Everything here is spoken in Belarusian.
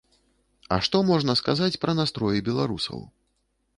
А што можна сказаць пра настроі беларусаў?